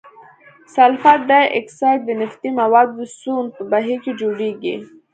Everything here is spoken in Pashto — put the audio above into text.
سلفر ډای اکساید د نفتي موادو د سون په بهیر کې جوړیږي.